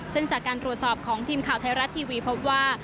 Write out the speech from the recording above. ซึ่งจากการตรวจสอบของทีมข่าวไทยรัฐทีวีพบว่า